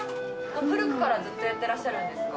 古くからずっとやってらっしゃるんですか？